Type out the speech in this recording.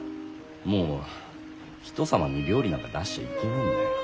もう人様に料理なんか出しちゃいけねえんだよ。